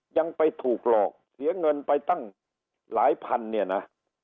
ยังไปถูกหลอกเสียเงินไปตั้งหลายพันเนี่ยนะ